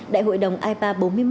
đại hội đồng ipa bốn mươi một